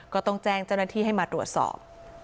ก็ต้องแจ้งเจ้าหน้าที่ให้มาตรวจสอบ